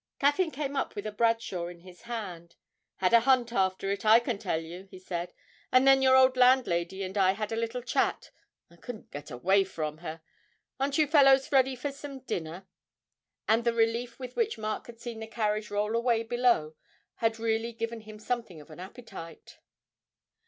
Caffyn came up with a Bradshaw in his hand. 'Had a hunt after it, I can tell you,' he said; 'and then your old landlady and I had a little chat I couldn't get away from her. Aren't you fellows ready for some dinner?' And the relief with which Mark had seen the carriage roll away below had really given him something of an appetite.